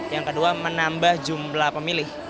yang kedua menambah jumlah pemilih